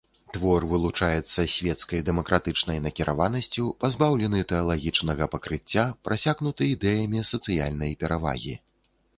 Твор вылучаецца свецкай, дэмакратычнай накіраванасцю, пазбаўлены тэалагічнага пакрыцця, прасякнуты ідэямі сацыяльнай перавагі.